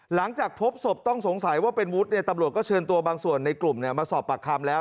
หลังจากพบศพต้องสงสัยว่าเป็นวุฒิตำรวจก็เชิญตัวบางส่วนในกลุ่มมาสอบปากคำแล้ว